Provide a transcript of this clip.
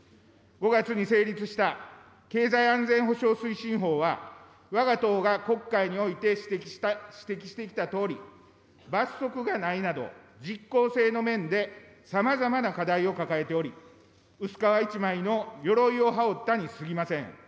５月に成立した経済安全保障推進法は、わが党が国会において指摘してきたとおり、罰則がないなど、実効性の面でさまざまな課題を抱えており、薄皮一枚のよろいを羽織ったにすぎません。